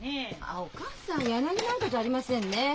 あっお義母さん柳なんかじゃありませんねえ。